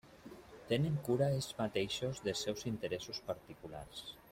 Tenen cura ells mateixos dels seus interessos particulars.